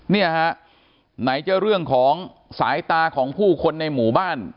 เนี่ยฮะไหนจะเรื่องของสายตาของผู้คนในหมู่บ้าน